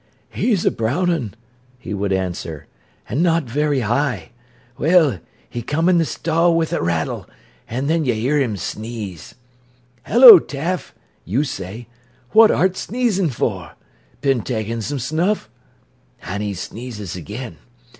"He's a brown un," he would answer, "an' not very high. Well, he comes i' th' stall wi' a rattle, an' then yo' 'ear 'im sneeze. "'Ello, Taff,' you say, 'what art sneezin' for? Bin ta'ein' some snuff?' "An' 'e sneezes again.